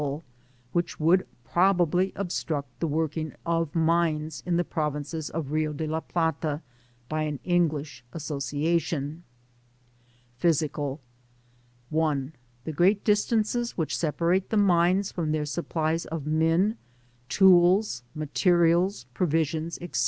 Digitized byGoogk 27B GENEaAL OBSEBYATIONS OV which would probably obstruct the wcnrking of mines in the provinces of Rio de la Plata bj an English association. PHYSICAL. 1. The great distances which separate the mines from their supplies of men, tools, materials, pron* Hons, &c.